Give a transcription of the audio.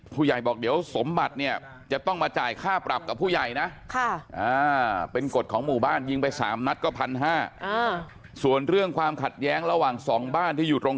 ผู้ใหญ่บอกเดี๋ยวสมบัติเนี่ยจะต้องมาจ่ายค่าปรับกับผู้ใหญ่นะ